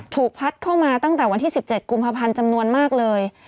ถูกพัดเข้ามาตั้งแต่วันที่๑๗กุมภาพันธ์จำนวนมากเลย